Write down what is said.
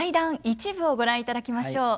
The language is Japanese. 一部をご覧いただきましょう。